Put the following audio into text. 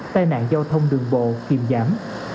tài nạn giao thông đường bộ kiềm giảm